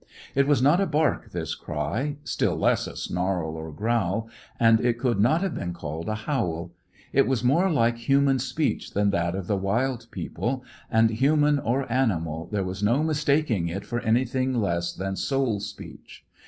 It was not a bark this cry, still less a snarl or growl, and it could not have been called a howl. It was more like human speech than that of the wild people; and, human or animal, there was no mistaking it for anything less than soul speech.